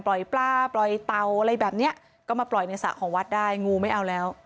ปลาปล่อยเตาอะไรแบบเนี้ยก็มาปล่อยในสระของวัดได้งูไม่เอาแล้ว